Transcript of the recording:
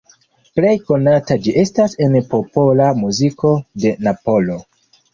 Plej konata ĝi estas en popola muziko de Napolo.